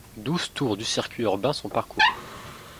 Douze tours du circuit urbains sont parcourus.